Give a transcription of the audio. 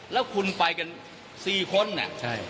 แล้วคุณไปกัน๔คนเนี่ย